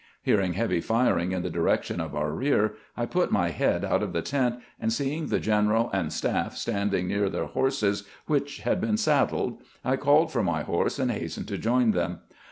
Hearing heavy j&ring in the direction of our rear, I put my head out of the tent, and seeing the general and staff standing near their horses, which had been saddled, I called for my horse and hastened to join them.